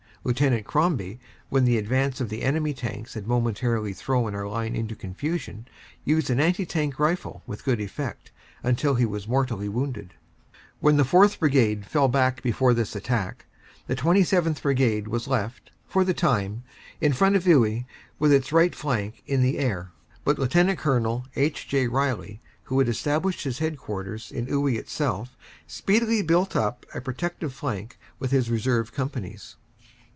Lieut. Crombie, when the advance of the enemy tanks had momentarily thrown our line into confusion, used an anti tank rifle with good effect, until he was mortally wounded. When the 4th. Brigade fell back before this attack, the 27th. Brigade was left for the time in front of Iwuy with its CONCLUSION OF THE BATTLE OF CAMBRAI 313 right flank in the air, but Lt. Col. H. J. Riley, who had estab lished his headquarters in Iwuy itself, speedily built up a protective flank with his reserve companies.